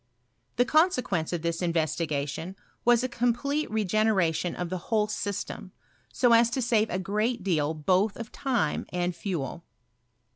The consequence of this investigation was a complete regeneration of the whole syatero, so as to save a great deal both of time and fiiel.